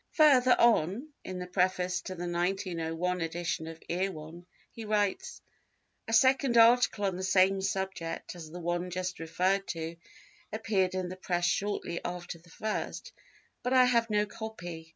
Further on in the preface to the 1901 edition of Erewhon he writes: "A second article on the same subject as the one just referred to appeared in the Press shortly after the first, but I have no copy.